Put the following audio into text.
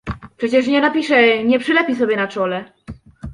"Przecież nie napisze, nie przylepi sobie na czole?"